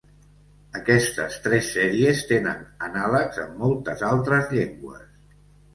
Aquestes tres sèries tenen anàlegs en moltes altres llengües.